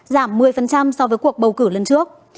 giảm một mươi so với cuộc bầu cử lần trước